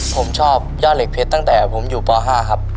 ผมชอบยอดเหล็กเพชรตั้งแต่ผมอยู่ป๕ครับ